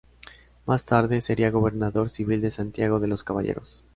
Más tarde, sería gobernador civil de Santiago de los Caballeros.